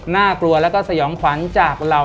น่ากลัวแล้วก็สยองขวัญจากเรา